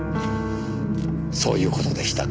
そういう事でしたか。